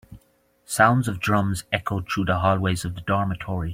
Sounds of drums echoed through the hallways of the dormitory.